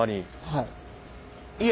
はい。